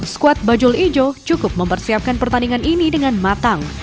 skuad bajul ijo cukup mempersiapkan pertandingan ini dengan matang